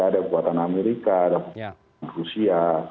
ada buatan amerika ada buatan rusia